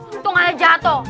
untung aja jatoh